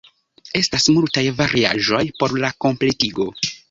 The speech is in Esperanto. Estas multaj variaĵoj por la kompletigo.